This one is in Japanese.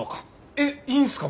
えっいいんすか？